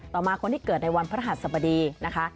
มาคนที่เกิดในวันพระหัสสบดีนะคะ